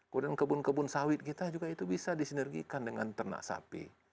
kemudian kebun kebun sawit kita juga itu bisa disinergikan dengan ternak sapi